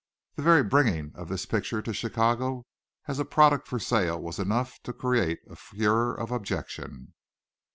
The very bringing of this picture to Chicago as a product for sale was enough to create a furore of objection.